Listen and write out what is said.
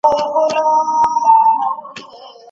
یوه ورځ به ورته ګورو چي پاچا به مو افغان وي